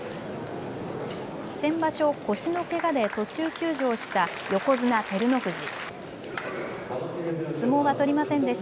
先場所、腰のけがで途中休場した横綱・照ノ富士。